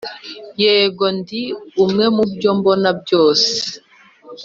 yego, ndi umwe mubyo mbona byose,